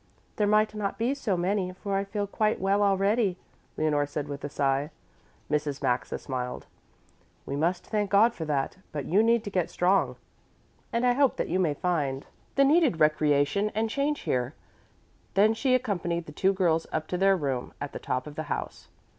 "There might not be so many, for I feel quite well already," Leonore said with a sigh. Mrs. Maxa smiled. "We must thank God for that. But you need to get strong, and I hope that you may find the needed recreation and change here." Then she accompanied the two girls up to their room at the top of the house.